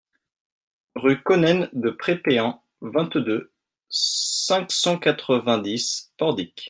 Rue Conen de Prépéan, vingt-deux, cinq cent quatre-vingt-dix Pordic